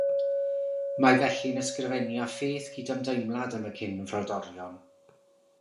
Mae felly'n ysgrifennu â pheth cydymdeimlad am y Cynfrodorion.